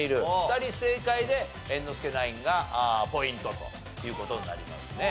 ２人正解で猿之助ナインがポイントという事になりますね。